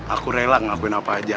aku rela ngabuin apa aja